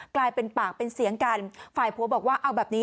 กลายเป็นปากเป็นเสียงกันฝ่ายผัวบอกว่าเอาแบบนี้